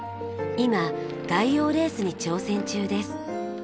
今外洋レースに挑戦中です。